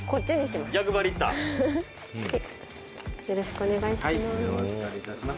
松本：「よろしくお願いします」